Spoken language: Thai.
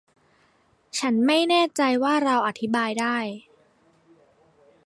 ฉันไม่แน่ใจว่าเราอธิบายได้